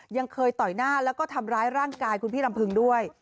ยังเคยต่อยหน้าแล้วก็ทำร้ายร่างกายคุณพี่ลำพึงด้วย